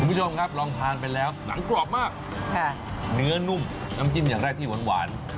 คุณผู้ชมครับลองทานไปแล้วหนังกรอบมากค่ะเนื้อนุ่มน้ำจิ้มอย่างแรกที่หวาน